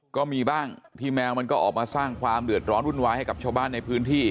ก็มีบ้างที่แมวมันก็ออกมาสร้างความเดือดร้อนวุ่นวายให้กับชาวบ้านในพื้นที่